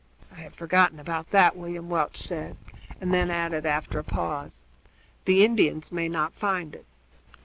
"I had forgotten about that," William Welch said, and then added, after a pause: "The Indians may not find it."